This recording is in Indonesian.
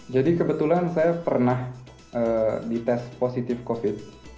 jadi kebetulan saya pernah dites positif covid sembilan belas